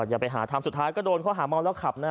อย่าไปหาทำสุดท้ายก็โดนข้อหาเมาแล้วขับนะ